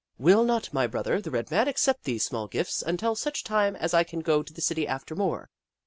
Will not my brother, the Red Man, accept these small gifts until such time as I can go to the city after more